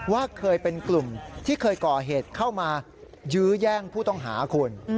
ว่าเคยเป็นกลุ่มที่เคยก่อเหตุเข้ามายื้อแย่งผู้ต้องหาคุณ